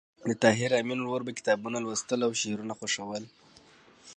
د طاهر آمین ورور به کتابونه لوستل او شعرونه خوښول